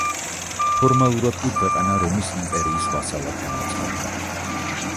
ფორმალურად კი ქვეყანა რომის იმპერიის ვასალად გამოცხადდა.